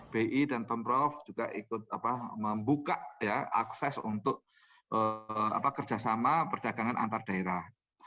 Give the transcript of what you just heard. bi dan pemprov juga ikut membuka akses untuk kerjasama perdagangan antar daerah